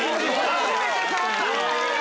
初めてそろった！